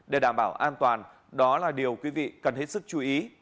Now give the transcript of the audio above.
để đảm bảo an toàn đó là điều quý vị cần hết sức chú ý